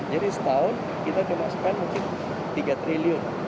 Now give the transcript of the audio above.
jadi setahun kita cuma spend mungkin rp tiga triliun